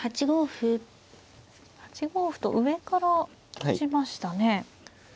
８五歩と上から打ちましたね。